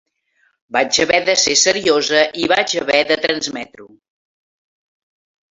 Vaig haver de ser seriosa i vaig haver de transmetre-ho.